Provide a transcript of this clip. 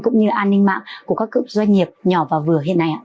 cũng như an ninh mạng của các doanh nghiệp nhỏ và vừa hiện nay ạ